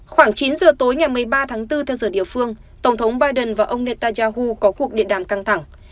khoảng chín giờ tối ngày một mươi ba tháng bốn theo giờ địa phương tổng thống biden và ông netanyahu có cuộc điện đàm căng thẳng